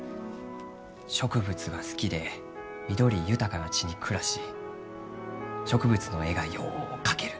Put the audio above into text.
植物が好きで緑豊かな地に暮らし植物の絵がよう描ける。